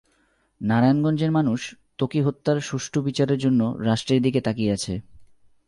নারায়ণগঞ্জের মানুষ ত্বকী হত্যার সুষ্ঠু বিচারের জন্য রাষ্ট্রের দিকে তাকিয়ে আছে।